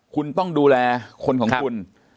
คุณต้องดูแลคนของคุณ